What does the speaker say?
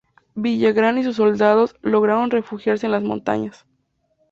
Villagrán y sus soldados lograron refugiarse en las montañas.